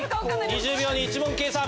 ２０秒に１問計算。